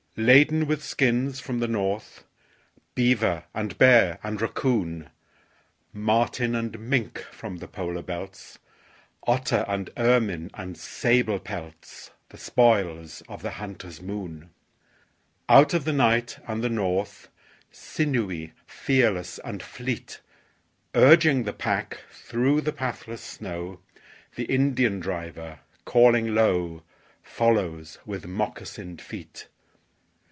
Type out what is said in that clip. Laden with skins from the north, Beaver and bear and raccoon, Marten and mink from the polar belts, Otter and ermine and sable pelts The spoils of the hunter's moon. Out of the night and the north, Sinewy, fearless and fleet, Urging the pack through the pathless snow, The Indian driver, calling low, Follows with moccasined feet.